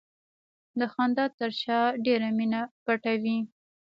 د خندا تر شا ډېره مینه پټه وي.